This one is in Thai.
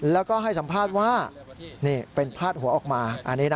แล้วก็ให้สัมภาษณ์ว่านี่เป็นพาดหัวออกมา